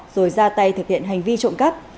rồi ra tay thực hiện hành vi trộm cắt